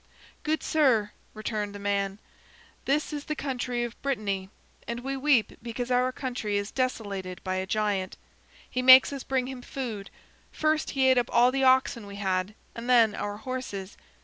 "Good sir," returned the man, "this is the country of Brittany, and we weep because our county is desolated by a giant. He makes us bring him food. First, he ate up all the oxen we had, and then our horses.